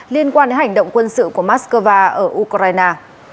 liên quan đến hành động quân sự của moscow ở ukraine